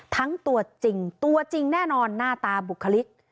ทั้งตัวจริงตัวจริงแน่นอนหน้าตาบุคลิก